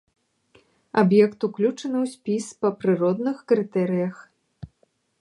Аб'ект уключаны ў спіс па прыродных крытэрыях.